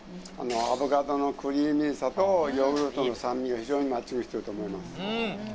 アボカドのクリーミーさとヨーグルトの酸味が非常にマッチングしてると思います。